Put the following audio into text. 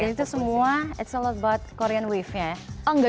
itu semua it's all about korean wave nya ya